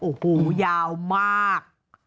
โอ้โหยาวมาก